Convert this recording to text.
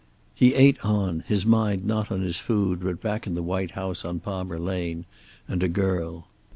He ate on, his mind not on his food, but back in the white house on Palmer Lane, and a girl.